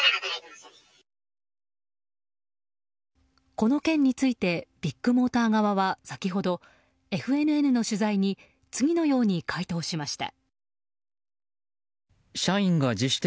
この件についてビッグモーター側は先ほど、ＦＮＮの取材に次のように回答しました。